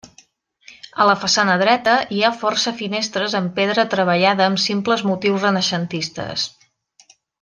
A la façana dreta hi ha força finestres amb pedra treballada amb simples motius renaixentistes.